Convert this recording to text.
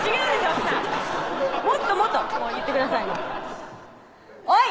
奥さんもっともっともう言ってください「おい！